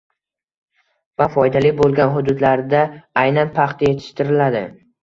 va foydali bo‘lgan hududlarda aynan paxta yetishtiriladi